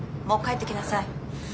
もう帰ってきなさい。